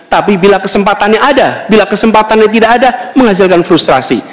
tapi bila kesempatannya ada bila kesempatannya tidak ada menghasilkan frustrasi